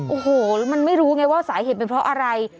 โอ้โหมันไม่รู้ไงว่าสาเหตุเป็นเพราะอะไร